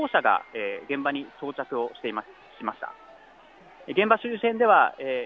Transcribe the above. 現在、たった今消防車が現場に到着しました。